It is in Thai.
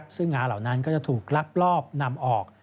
ซึ่งงาเหล่านั้นก็จะถูกลักลอบนำออก